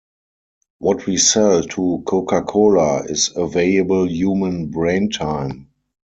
What we sell to Coca-Cola is available human brain time.